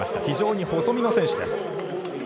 非常に細身の選手です。